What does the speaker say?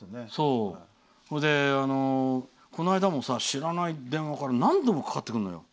この間も、知らない電話から何度もかかってくるのよ。